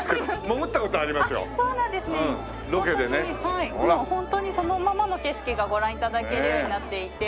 もうホントにそのままの景色がご覧頂けるようになっていて。